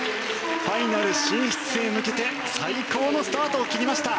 ファイナル進出へ向けて最高のスタートを切りました。